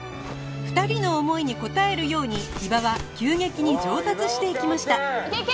２人の思いに応えるように伊庭は急激に上達していきました